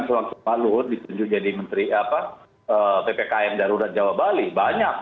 sewaktu pak luhut ditunjuk jadi menteri ppkm darurat jawa bali banyak